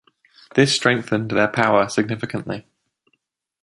This strengthened their power significantly.